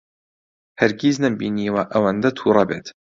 هەرگیز نەمبینیوە ئەوەندە تووڕە بێت.